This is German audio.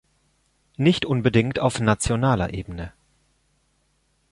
Nicht unbedingt auf nationaler Ebene.